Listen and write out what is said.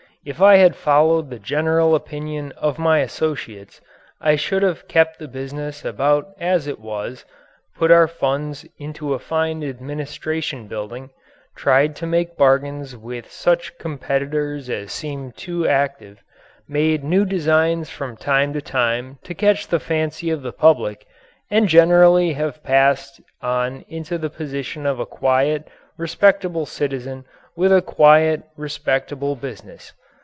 If I had followed the general opinion of my associates I should have kept the business about as it was, put our funds into a fine administration building, tried to make bargains with such competitors as seemed too active, made new designs from time to time to catch the fancy of the public, and generally have passed on into the position of a quiet, respectable citizen with a quiet, respectable business.